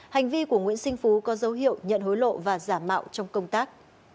hành vi của nguyễn sinh phú có dấu hiệu nhận hối lộ và giả mạo trong công tác